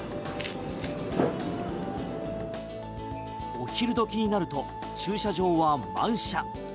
お昼時になると駐車場は満車。